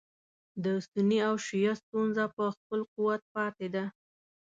د سني او شیعه ستونزه په خپل قوت پاتې ده.